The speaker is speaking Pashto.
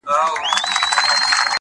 حقیقت تل خپله لاره پیدا کوي؛